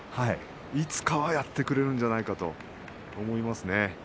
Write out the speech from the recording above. いつかはやってくれるんじゃないかと思いますね。